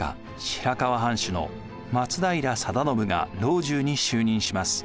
白河藩主の松平定信が老中に就任します。